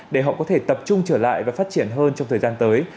để họ có thể tập trung trở lại và phát triển hơn trong thời gian tới